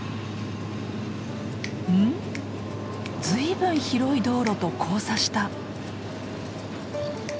随分広い道路と交差した。